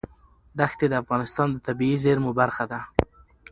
ښتې د افغانستان د طبیعي زیرمو برخه ده.